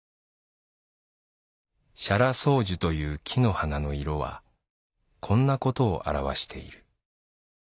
娑羅双樹という木の花の色はこんなことをあらわしている。